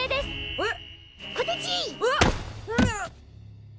えっ？